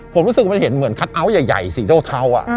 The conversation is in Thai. ผมรู้สึกว่ามันเห็นเหมือนคัตอ๊าวต์ใหญ่ใหญ่สี่โดรเท้าอ่ะอืม